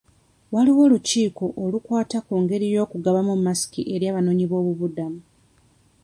Waaliwo olukiiko olukwata ku ngeri y'okugabamu masiki eri abanoonyi b'obubuddamu.